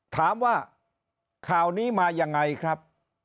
ถามว่าข่าวนี้มายังไงครับ